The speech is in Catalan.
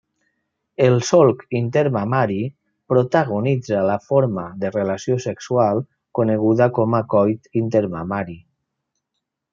El solc intermamari protagonitza la forma de relació sexual coneguda com a coit intermamari.